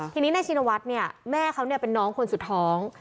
ทีนี้นายชินวัฒน์เนี่ยแม่เขาเป็นน้องคนสุดท้อง